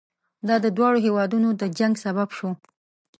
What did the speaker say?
دا د دواړو هېوادونو د جنګ سبب شو.